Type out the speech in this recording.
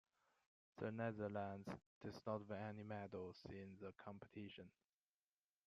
The Netherlands did not win any medals in the competition.